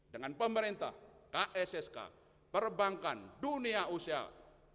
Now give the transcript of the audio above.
dengan pemerintah kssk perbankan dunia dan kebanyakan